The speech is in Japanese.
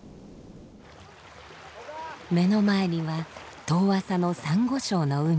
目の前には遠浅のサンゴ礁の海。